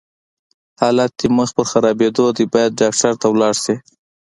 حالت دې مخ پر خرابيدو دی، بايد ډاکټر ته ولاړ شې!